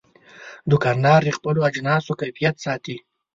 دوکاندار د خپلو اجناسو کیفیت ساتي.